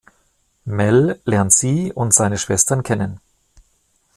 Mel lernt sie und seine Schwestern kennen.